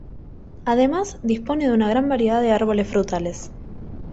Además, dispone de una gran variedad de árboles frutales.